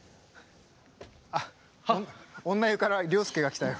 女湯から亮介が来たよ。